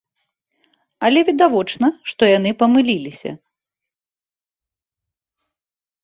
Але відавочна, што яны памыліліся.